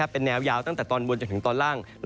เป็นแนวยาวตั้งแต่ตอนบนจนถึงตอนล่าง